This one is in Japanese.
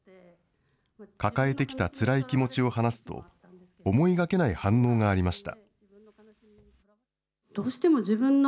抱えてきたつらい気持ちを話すと、思いがけない反応がありました。